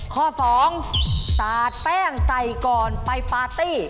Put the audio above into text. ข้อ๒สาดแป้งใส่ก่อนไปปาร์ตี้